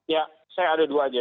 ya saya ada dua aja